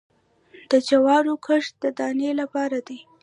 د جوارو کښت د دانې لپاره دی